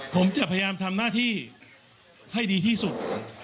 ผมจะพยายามทำหน้าที่ให้ดีที่สุด